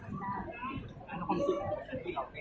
เวลาแรกพี่เห็นแวว